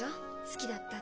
「好きだった」